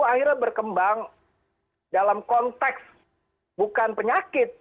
akhirnya berkembang dalam konteks bukan penyakit